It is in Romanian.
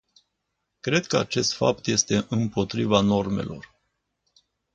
Cred că acest fapt este împotriva normelor.